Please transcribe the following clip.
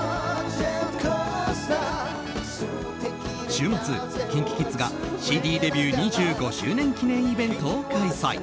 週末、ＫｉｎＫｉＫｉｄｓがＣＤデビュー２５周年記念イベントを開催。